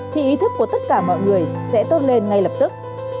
thì ý thức của tất cả mọi người sẽ tốt lên ngay lập tức